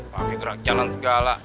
pakai gerak jalan segala